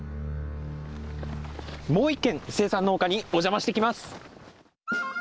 もう一軒生産農家にお邪魔してきます！